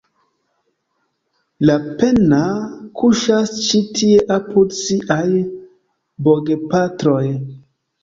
Lapenna kuŝas ĉi tie apud siaj bogepatroj.